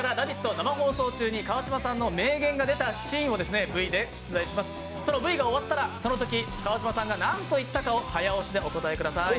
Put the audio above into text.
生放送中に川島さんの名言が出たシーンをＶで出題します、Ｖが終わったら川島さんが何と言ったかを早押しでお答えください。